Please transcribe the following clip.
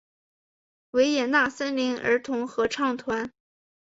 维也纳森林儿童合唱团。